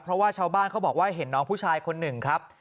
เพราะว่าชาวบ้านเขาบอกว่าเห็นน้องผู้ชายคนหนึ่งครับ